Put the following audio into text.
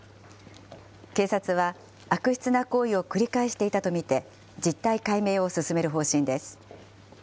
警察は、悪質な行為を繰り返していたと見て、実態解明を進める方針です。